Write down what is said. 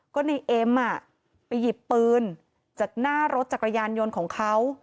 ก็ในเอ็มไปหยิบปืนจากหน้ารถจักรยานยนต์ของเขา